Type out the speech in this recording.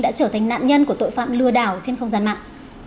đã trở thành nạn nhân của tội phạm lừa đảo trên không gian mạng